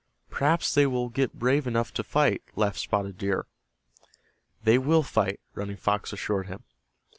"Perhaps they will get brave enough to fight," laughed Spotted Deer. "They will fight," Running Fox assured him.